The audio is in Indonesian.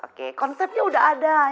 oke konsepnya udah ada